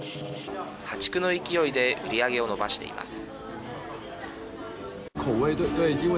破竹の勢いで売り上げを伸ばしています。